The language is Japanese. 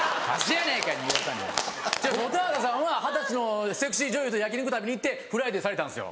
蛍原さんは二十歳のセクシー女優と焼き肉食べに行ってフライデーされたんですよ。